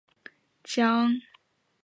江西乡试第十名。